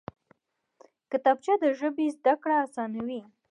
کتابچه د ژبې زده کړه اسانوي